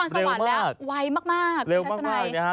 ถึงนครสวรรค์แล้วไวมาก